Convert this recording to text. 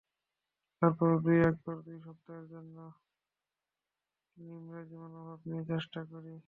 তারপরেও দুই একবার দুই সপ্তাহের জন্য নিমরাজি মনোভাব নিয়ে চেষ্টা করি।